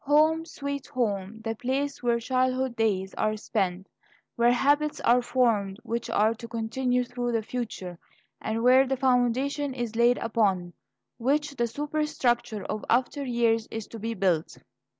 "Home, sweet home!" the place where childhood days are spent, where habits are formed which are to continue through the future, and where the foundation is laid upon which the superstructure of after years is to be built.